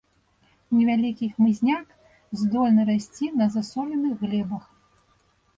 Невялікі хмызняк, здольны расці на засоленых глебах.